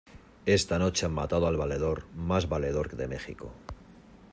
¡ esta noche han matado al valedor más valedor de México!